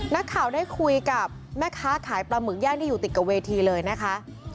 นักข่าวได้คุยกับแม่ค้าขายปลาหมึกย่างที่อยู่ติดกับเวทีเลยนะคะ